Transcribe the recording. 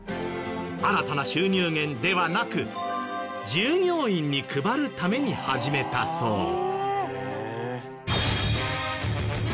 新たな収入源ではなく従業員に配るために始めたそう。